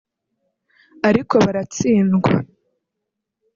ariko baratsindwa